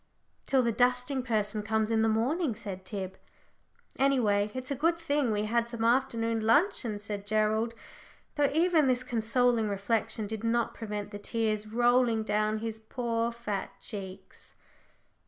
"Till the dusting person comes in the morning," said Tib. "Any way, it's a good thing we had some afternoon luncheon," said Gerald, though even this consoling reflection did not prevent the tears rolling down his poor fat cheeks.